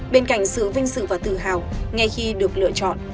bên cạnh sự vinh sự và tự hào ngay khi được lựa chọn